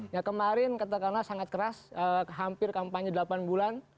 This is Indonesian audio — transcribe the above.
ya kemarin katakanlah sangat keras hampir kampanye delapan bulan